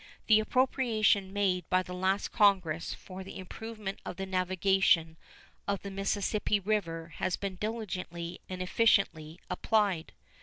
The appropriation made by the last Congress for the improvement of the navigation of the Mississippi River has been diligently and efficiently applied.